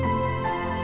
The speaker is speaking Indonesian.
tidak ada yang lebih baik